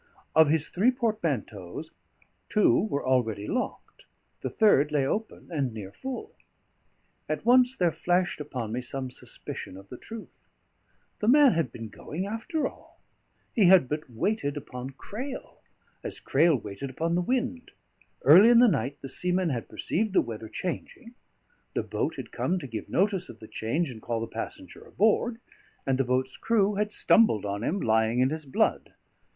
Of his three portmanteaus, two were already locked; a third lay open and near full. At once there flashed upon me some suspicion of the truth. The man had been going, after all; he had but waited upon Crail, as Crail waited upon the wind; early in the night the seamen had perceived the weather changing; the boat had come to give notice of the change and call the passenger aboard, and the boat's crew had stumbled on him lying in his blood.